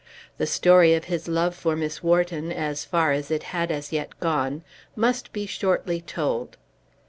The story of his love for Miss Wharton, as far as it had as yet gone, must be shortly told.